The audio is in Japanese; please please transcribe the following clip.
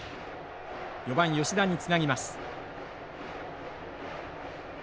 ４番吉田につなぎます。